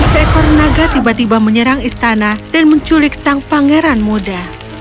seekor naga tiba tiba menyerang istana dan menculik sang pangeran muda